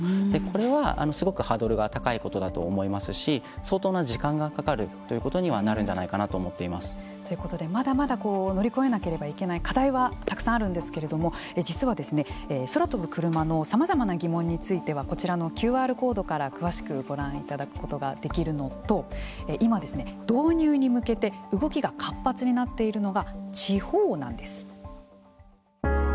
これはすごくハードルが高いことだと思いますし相当な時間がかかるということにはなるんじゃないということでまだまだ乗り越えなければいけない課題はたくさんあるんですけれども実は空飛ぶクルマのさまざまな疑問についてはこちらのＱＲコードから詳しくご覧いただくことができるのと今、導入に向けて動きが活発になっているのが地方なんです。